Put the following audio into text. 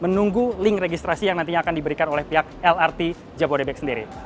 menunggu link registrasi yang nantinya akan diberikan oleh pihak lrt jabodebek sendiri